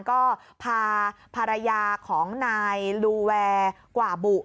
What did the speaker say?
ก็พาภรรยาของนายลูแวร์กว่าบุ